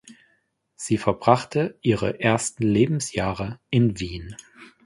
Sie verbrachte ihre ersten Lebensjahre in Wien.